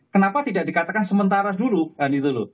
kenapa tidak dikatakan sementara dulu